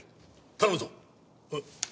頼むぞ。